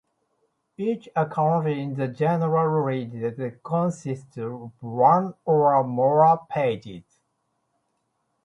Each account in the general ledger consists of one or more pages.